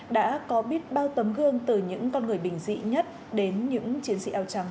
đã có biết bao tấm gương từ những con người bình dị nhất đến những chiến sĩ áo trắng